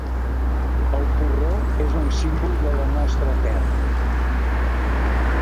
El porró és un símbol de la nostra terra.